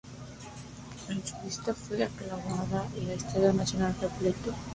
En su visita fue aclamada por un Estadio Nacional repleto.